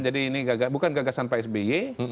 jadi ini bukan gagasan pak sby